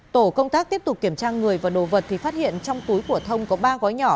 tổ công tác tiếp tục kiểm tra người và đồ vật thì phát hiện trong túi của thông có ba gói nhỏ